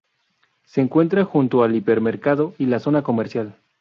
Se encuentra junto al hipermercado y la zona comercial.